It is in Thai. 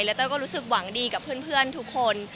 แล้วเต้ยก็รู้สึกหวังดีกับเพื่อนทุกคน